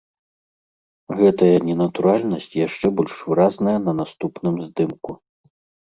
Гэтая ненатуральнасць яшчэ больш выразная на наступным здымку.